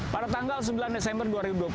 pada tanggal sembilan desember dua ribu dua puluh